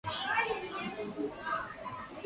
鲫鱼草是禾本科画眉草属的植物。